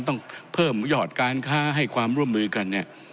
ต้องเพิ่มยอดการค้าให้ความร่วมมือกันเนี่ย